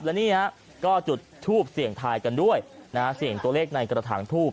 และนี่ฮะก็จุดทูปเสี่ยงทายกันด้วยนะฮะเสี่ยงตัวเลขในกระถางทูบ